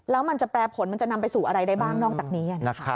แล้วมันจะแปรผลมันจะนำไปสู่อะไรได้บ้างนอกจากนี้